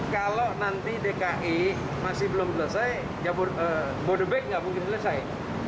kalau nanti dki masih belum selesai bodebek nggak mungkin selesai